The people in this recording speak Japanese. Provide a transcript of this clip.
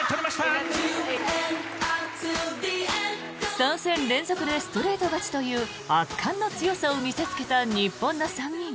３戦連続でストレート勝ちという圧巻の強さを見せつけた日本の３人。